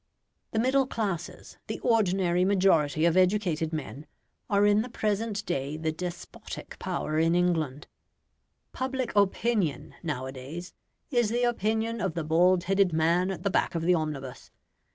The middle classes the ordinary majority of educated men are in the present day the despotic power in England. "Public opinion," nowadays, "is the opinion of the bald headed man at the back of the omnibus."